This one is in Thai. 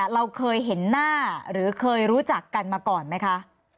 เราเคยเห็นหน้าหรือเคยรู้จักกันมาก่อนไหมคะ